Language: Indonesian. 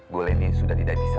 bu lenny sudah tidak bisa